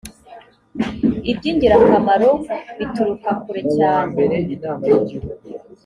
ibyingirakamaro bituruka kurecyane .